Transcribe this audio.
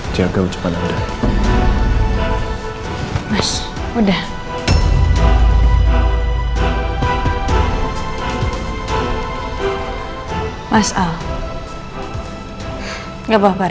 sampai jumpa di video selanjutnya